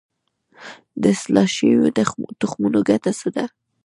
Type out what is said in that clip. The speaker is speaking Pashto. د اصلاح شویو تخمونو ګټه څه ده؟